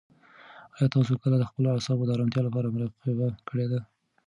آیا تاسو کله د خپلو اعصابو د ارامتیا لپاره مراقبه کړې ده؟